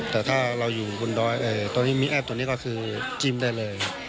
แต่ถ้าเราอยู่บนดอยตอนนี้มีแอปตัวนี้ก็คือจิ้มได้เลย